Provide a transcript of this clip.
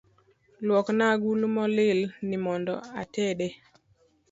Luokna agulu molil ni mondo atede